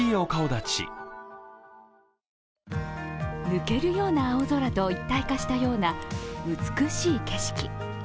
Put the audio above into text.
抜けるような青空と一体化したような美しい景色。